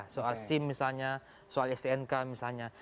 soal sim misalnya soal stnk misalnya